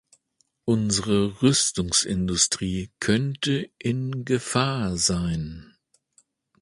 Unsere Rüstungsindustrie könnte in Gefahr sein.